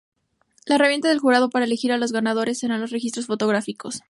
La herramienta del jurado para elegir a la ganadora serán los registros fotográficos.